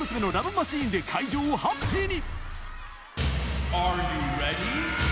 マシーンで会場をハッピーに。